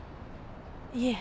いえ。